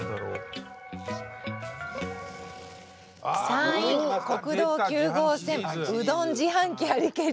「山陰・国道９号線うどん自販機ありけり」。